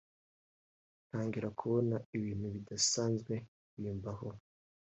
ntangira kubona ibintu bidasanzwe bimbaho